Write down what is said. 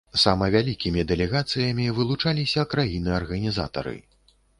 Сама вялікімі дэлегацыямі вылучаліся краіны-арганізатары.